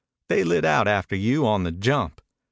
They lit out after you on the jump.